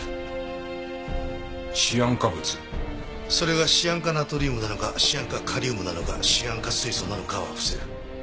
それがシアン化ナトリウムなのかシアン化カリウムなのかシアン化水素なのかは伏せる。